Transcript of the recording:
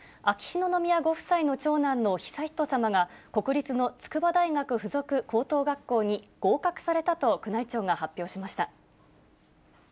秋篠宮ご夫妻の長男の悠仁さまが、国立の筑波大学附属高等学校に合格されたと、宮内庁が発表しました。